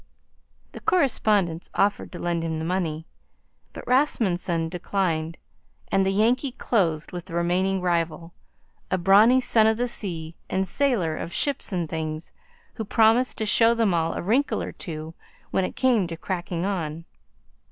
The correspondents offered to lend him the money; but Rasmunsen declined, and the Yankee closed with the remaining rival, a brawny son of the sea and sailor of ships and things, who promised to show them all a wrinkle or two when it came to cracking on.